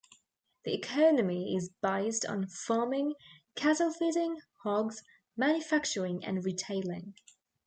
The economy is based on farming, cattle feeding, hogs, manufacturing and retailing.